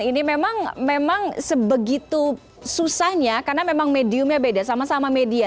ini memang sebegitu susahnya karena memang mediumnya beda sama sama media